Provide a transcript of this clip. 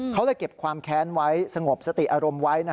เขาเลยเก็บความแค้นไว้สงบสติอารมณ์ไว้